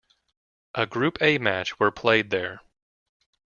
A Group A match were played there.